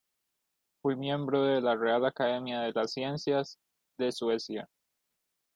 Fue miembro de la Real Academia de las Ciencias de Suecia.